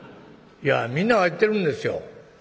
いやみんなが言ってるんですよ」。